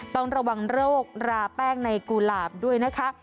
ต้องระวังโรคราแป้งในกุหลาบด้วยนะคะ